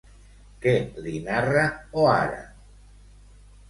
Què li narra O'Hara?